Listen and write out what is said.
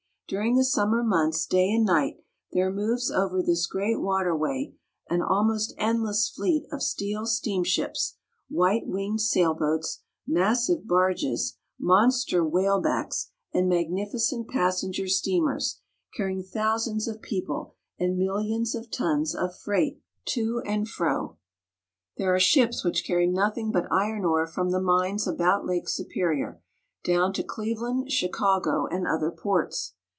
During the summer months, day and night, there moves over this great waterway an almost endless fleet of steel steamships, white winged sailboats, massive barges, mon ster whalebacks, and magnificent passenger steamers, car rying thousands of people and millions of tons of freight 174 THE GREAT LAKES. to and fro. There are ships which carry nothing but iron ore from the mines about Lake Superior, down to Cleve land, Chicago, and other ports.